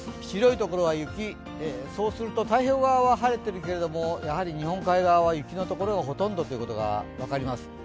白い所は雪、そうすると太平洋側は晴れてるけれどやはり日本海側は雪のところがほとんどということが分かります。